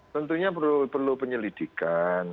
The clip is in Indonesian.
tentunya perlu penyelidikan